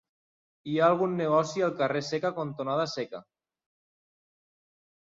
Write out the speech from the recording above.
Hi ha algun negoci al carrer Seca cantonada Seca?